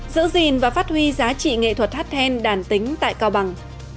giữ gìn và phát huy giá trị nghệ thuật hắt hen đàn tính tại cao bằng